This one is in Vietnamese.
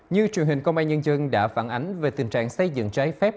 như truyền hình công an nhân dân đã phản ánh về tình trạng xây dựng trái phép